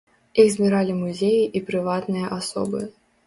Іх збіралі музеі і прыватныя асобы.